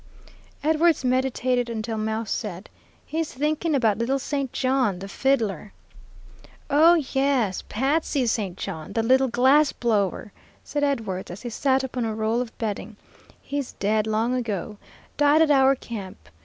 Edwards meditated until Mouse said, "He's thinking about little St. John, the fiddler." "Oh, yes, Patsy St. John, the little glass blower," said Edwards, as he sat up on a roll of bedding. "He's dead long ago. Died at our camp.